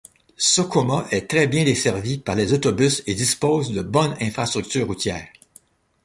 Socoma est très bien desservi par les autobus et dispose de bonnes infrastructures routières.